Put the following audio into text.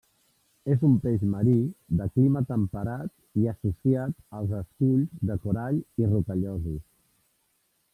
És un peix marí, de clima temperat i associat als esculls de corall i rocallosos.